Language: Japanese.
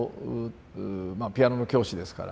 まあピアノの教師ですから。